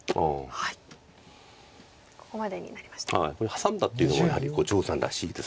ハサんだっていうのがやはり張栩さんらしいです。